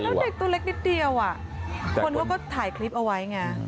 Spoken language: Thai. แล้วเด็กตัวเล็กนิดเดียวคนเขาก็ถ่ายคลิปเอาไว้ไง